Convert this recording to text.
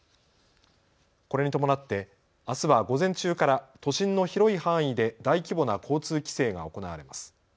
これに伴って、あすは午前中から都心の広い範囲で大規模な交通規制が行われます。